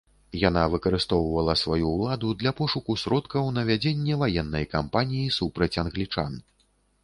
Яна выкарыстоўвала сваю ўладу для пошуку сродкаў на вядзенне ваеннай кампаніі супраць англічан.